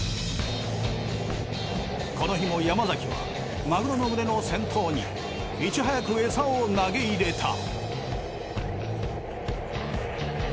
この日も山崎はマグロの群れの先頭にいち早くエサを投げ入れた。